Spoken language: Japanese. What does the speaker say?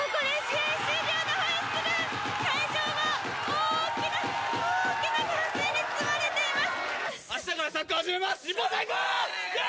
会場が大きな、大きな歓声に包まれています。